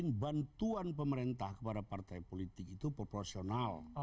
kemudian bantuan pemerintah kepada partai politik itu proporsional